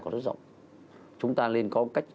còn rất rộng chúng ta nên có cách